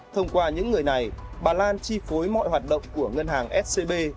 thông qua những người này bà lan chi phối mọi hoạt động của ngân hàng scb